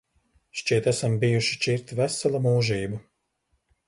Šķiet, esam bijuši šķirti veselu mūžību.